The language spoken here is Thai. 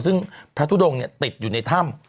ซึ่งพระทุดงติดอยู่ในถ้ำ